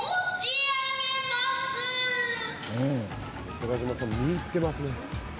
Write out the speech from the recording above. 寺島さん見入ってますね。